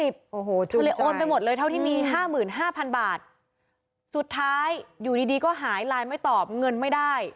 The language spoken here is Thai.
ก็เลยโอนไปหมดเลยเท่าที่มี๕๕๐๐บาทสุดท้ายอยู่ดีก็หายไลน์ไม่ตอบเงินไม่ได้